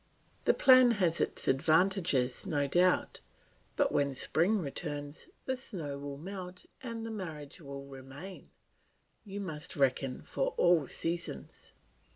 The plan has its advantages, no doubt; but when spring returns, the snow will melt and the marriage will remain; you must reckon for all seasons.